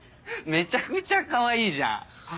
めちゃくちゃかわいいじゃん！